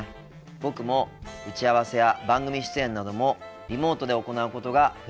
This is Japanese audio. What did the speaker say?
僕も打ち合わせや番組出演などもリモートで行うことが増えました。